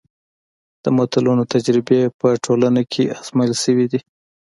د متلونو تجربې په ټولنه کې ازمایل شوي دي